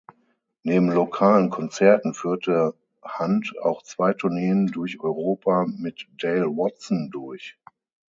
Neben lokalen Konzerten führte Hand auch zwei Tourneen durch Europa mit Dale Watson durch.